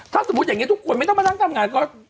ถ้าสมมุติอย่างนี้ทุกคนไม่ต้องมานั่งทำงานก็